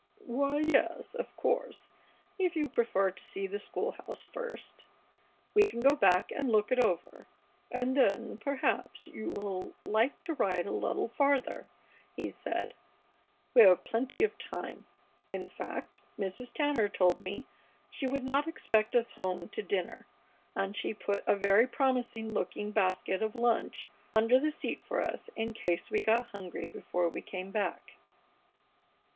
"Why, yes, of course, if you prefer to see the school house first, we can go back and look it over, and then, perhaps, you will like to ride a little farther," he said. "We have plenty of time. In fact, Mrs. Tanner told me she would not expect us home to dinner, and she put a very promising looking basket of lunch under the seat for us in case we got hungry before we came back."